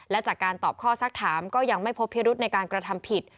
และจากการตอบข้อสักถามก็ยังไม่พบพิรุธในการกระทำผิด